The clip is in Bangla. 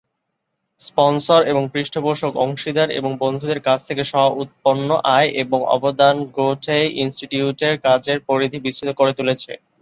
স্পনসর এবং পৃষ্ঠপোষক, অংশীদার এবং বন্ধুদের কাছ থেকে স্ব-উৎপন্ন আয় এবং অবদান গ্যোটে-ইনস্টিটিউটের কাজের পরিধি বিস্তৃত করে তুলেছে।